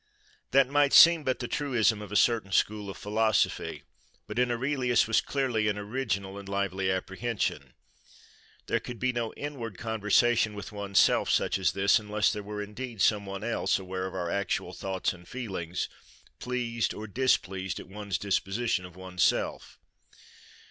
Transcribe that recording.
That might seem but the truism of a certain school of philosophy; but in Aurelius was clearly an original and lively apprehension. There could be no inward conversation with one's self such as this, unless there were indeed some one else, aware of our actual thoughts and feelings, pleased or displeased at one's disposition of one's self.